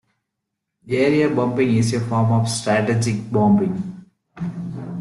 Area bombing is a form of strategic bombing.